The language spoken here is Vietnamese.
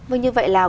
vâng như vậy là